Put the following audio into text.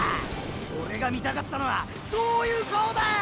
オレが見たかったのはそういう顔だよ！